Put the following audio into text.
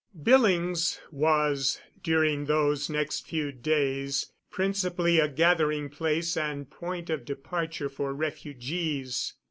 Billings was, during those next few days, principally a gathering place and point of departure for refugees.